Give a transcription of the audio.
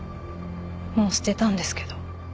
もう捨てたんですけど。